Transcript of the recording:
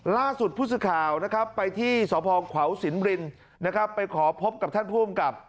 ล่าสุดผู้สื่อข่าวไปที่สอพขวสินบรินทร์ไปขอพบกับท่านผู้อำกับ